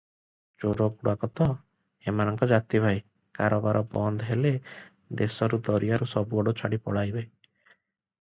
ଚୋରଗୁଡ଼ାକ ତ ଏମାନଙ୍କ ଜାତି ଭାଇ, କାରବାର ବନ୍ଦ ହେଲେ ଦେଶରୁ ଦରିଆରୁ ସବୁଆଡୁ ଛାଡ଼ି ପଳାଇବେ ।